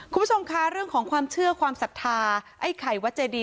คุณผู้ชมคะเรื่องของความเชื่อความศรัทธาไอ้ไข่วัดเจดี